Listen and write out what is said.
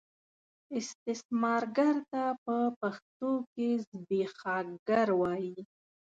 استثمارګر ته په پښتو کې زبېښاکګر وايي.